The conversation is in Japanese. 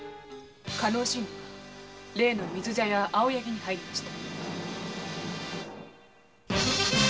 加納信吾が例の水茶屋「青柳」に入りました。